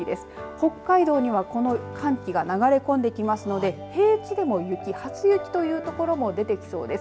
北海道にはこの寒気が流れ込んできますので平地でも雪、初雪という所も出てきそうです。